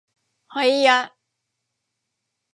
ฮ้อยยะ